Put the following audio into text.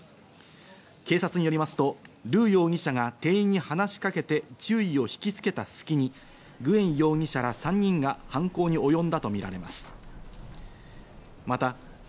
警察によりますと、ルー容疑者が店員に話し掛けて注意を引きつけた隙に、グエン容疑者ら３人が犯行におよんだとみられます。